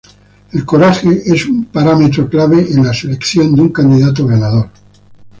El coraje es un parámetro clave en la selección de un candidato ganador.